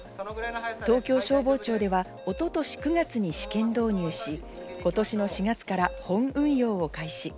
東京消防庁では一昨年９月に試験導入し、今年の４月から本運用を開始。